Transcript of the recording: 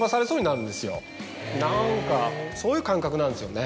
何かそういう感覚なんですよね。